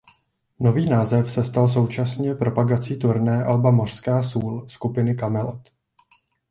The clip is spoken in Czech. Nový název se stal současně propagací turné alba Mořská sůl skupiny Kamelot.